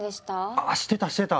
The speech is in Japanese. あしてたしてた。